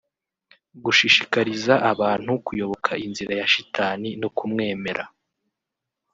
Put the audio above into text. gushishikariza abantu kuyoboka inzira ya shitani no kumwemera